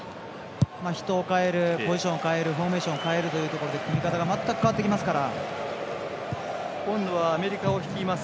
人を代える、ポジションを変えるフォーメーションを変えるで組み方がまったく変わってきますから。